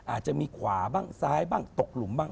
อาจจะมีขวาบ้างซ้ายบ้างตกหลุมบ้าง